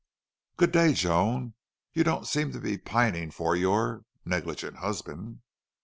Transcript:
"Good day, Joan. You don't seem to be pining for your negligent husband."